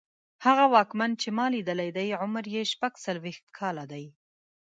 هغه واکمن چې ما لیدلی دی عمر یې شپږڅلوېښت کاله دی.